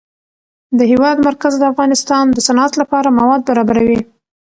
د هېواد مرکز د افغانستان د صنعت لپاره مواد برابروي.